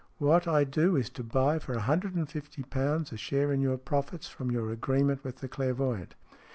What I do is to buy for a hundred and fifty pounds a share in your profits from your agreement with the clairvoyant."